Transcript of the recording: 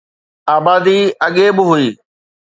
آبادي اڳي به هئي